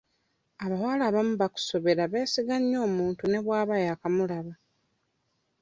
Abawala abamu bakusobera beesiga nnyo omuntu ne bw'aba yaakamulaba.